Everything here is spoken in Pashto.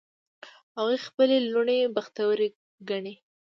هغوی خپلې لوڼې بختوری ګڼي